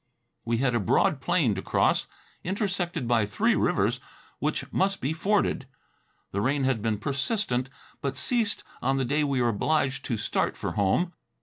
We had a broad plain to cross, intersected by three rivers which must be forded. The rain had been persistent, but ceased on the day we were obliged to start for home.